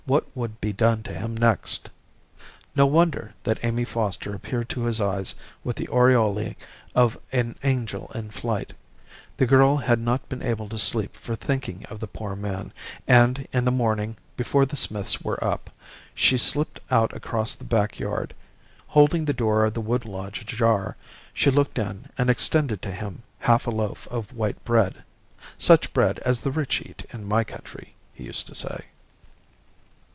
What would be done to him next?... No wonder that Amy Foster appeared to his eyes with the aureole of an angel of light. The girl had not been able to sleep for thinking of the poor man, and in the morning, before the Smiths were up, she slipped out across the back yard. Holding the door of the wood lodge ajar, she looked in and extended to him half a loaf of white bread 'such bread as the rich eat in my country,' he used to say.